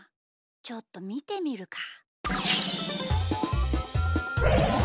ちょっとみてみるか。